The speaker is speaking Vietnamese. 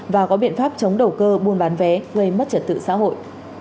và có biện pháp chống đầu cơ buôn bán vé gây mất trật tự xã hội